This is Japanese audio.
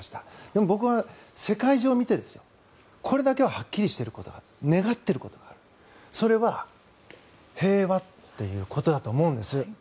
でも僕は世界中を見てこれだけははっきりしていることがある願っていることがあるそれは平和ということだと思うんです。